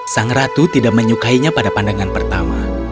sang ratu tidak menyukainya pada pandangan pertama